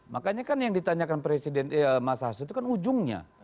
makanya kan yang ditanyakan mas hasil itu kan ujungnya